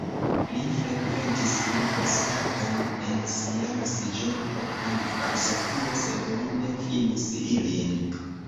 Li frekventis universitatojn en sia naskiĝurbo kaj Varsovio, sed li ne finis ilin.